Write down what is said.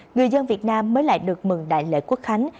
người dân việt nam mới lại được mừng đại lễ quốc khánh